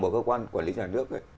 và cơ quan quản lý nhà nước ấy